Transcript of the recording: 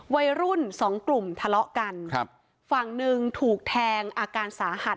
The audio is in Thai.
วัยรุ่นสองกลุ่มทะเลาะกันครับฝั่งหนึ่งถูกแทงอาการสาหัส